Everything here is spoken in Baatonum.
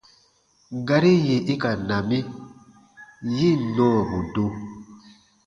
Gari yì i ka na mi, yi ǹ nɔɔbu do.